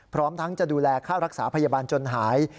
พร้อมทั้งจะดูแลค่ารักษาพยาบาลจนหาย